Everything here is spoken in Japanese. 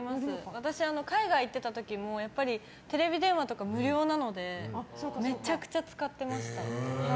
私、海外に行っていた時もテレビ電話とか無料なのでめちゃくちゃ使ってました。